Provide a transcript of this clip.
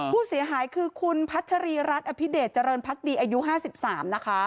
ผู้เสียหายคือคุณพัชรีรัฐอภิเดชเจริญพรรคดีอายุห้าสิบสามนะคะ